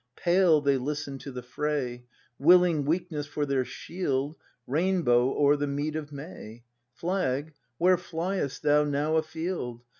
Pale they listen to the fray, — Willing weakness for their shield. — Rainbow o'er the mead of May, Flag, where fliest thou now afield